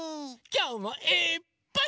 きょうもいっぱい。